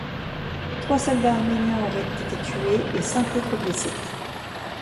Trois soldats arméniens auraient été tués et cinq autres blessés.